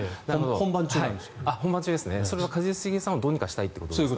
本番中、それは一茂さんをどうにかしたいということですか。